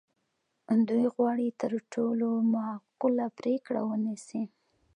دوی غواړي تر ټولو معقوله پرېکړه ونیسي.